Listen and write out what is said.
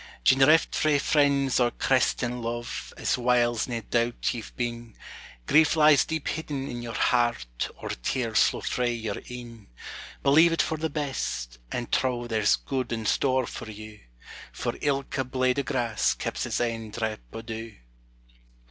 Gin reft frae friends or crest in love, as whiles nae doubt ye've been, Grief lies deep hidden in your heart or tears flow frae your een, Believe it for the best, and trow there's good in store for you, For ilka blade o' grass keps its ain drap o' dew.